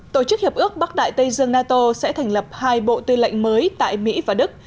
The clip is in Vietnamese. tổ chức hiệp ước bắc đại tây dương nato sẽ thành lập hai bộ tư lệnh mới tại mỹ và đức